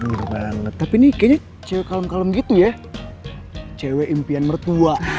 bener banget tapi nih kayaknya cewek kalem kalem gitu ya cewek impian mertua